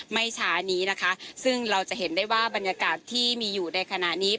ช้านี้นะคะซึ่งเราจะเห็นได้ว่าบรรยากาศที่มีอยู่ในขณะนี้